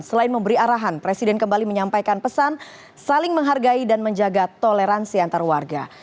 selain memberi arahan presiden kembali menyampaikan pesan saling menghargai dan menjaga toleransi antar warga